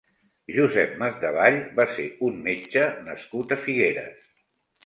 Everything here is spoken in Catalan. Josep Masdevall va ser un metge nascut a Figueres.